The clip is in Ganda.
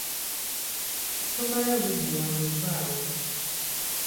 Tomala budde wano vaawo.